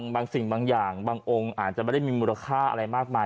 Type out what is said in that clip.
บางสิ่งบางอย่างบางองค์อาจจะไม่ได้มีมูลค่าอะไรมากมาย